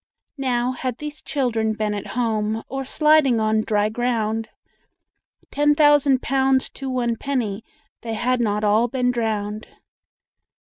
Now, had these children been at home, Or sliding on dry ground, Ten thousand pounds to one penny They had not all been drowned.